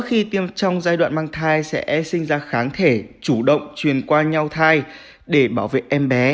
khi trong giai đoạn mang thai sẽ sinh ra kháng thể chủ động truyền qua nhau thai để bảo vệ em bé